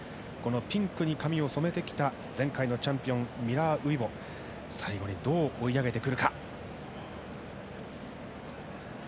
ピンクに髪を染めてきた前回のチャンピオンミラー・ウイボは最後にどう追い上げてくるか。